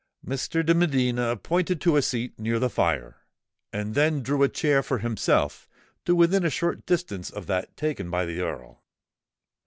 Mr. de Medina pointed to a seat near the fire, and then drew a chair for himself to within a short distance of that taken by the Earl.